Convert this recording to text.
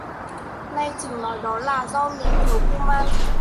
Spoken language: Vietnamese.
Nay trình nói đó là do mình thờ kuman